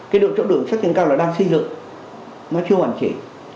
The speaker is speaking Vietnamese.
cái đội trọng đường sát chân cao là đang xây dựng nó chưa hoàn chỉ